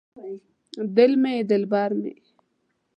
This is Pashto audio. دل مې یې دلبر مې یې